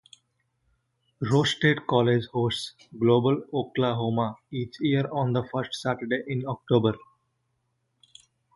Rose State College hosts Global Oklahoma each year on the first Saturday in October.